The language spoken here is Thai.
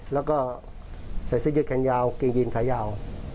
แล้วก็ใส่เสื้อยืดแขนยาวเกงยีนขายาว